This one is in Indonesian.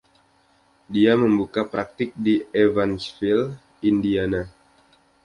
Dia membuka praktik di Evansville, Indiana.